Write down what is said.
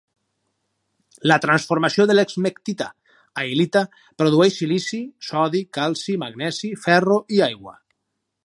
La transformació de l'esmectita a il·lita produeix silici, sodi, calci, magnesi, ferro i aigua.